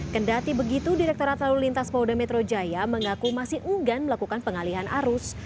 kendati begitu direkturat lalu lintas polda metro jaya mengaku masih enggan melakukan pengalihan arus